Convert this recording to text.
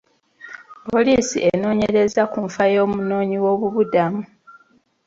Poliisi enoonyereza ku nfa y'omunoonyi w'obubudamu.